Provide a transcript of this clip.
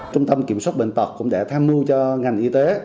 trung tâm kiểm soát bệnh tật cũng đã tham mưu cho ngành y tế